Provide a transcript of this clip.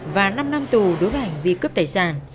và năm năm tù đối với hành vi cướp tài sản